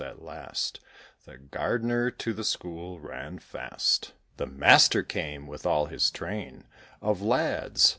At last The Gardener to the school ran fast. The Master came, with all his train Of lads.